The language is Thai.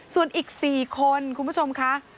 ส่วนอีก๔คนคุณผู้ชมค่ะ